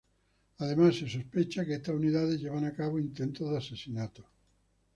Además, se sospecha que estas unidades llevan a cabo intentos de asesinato.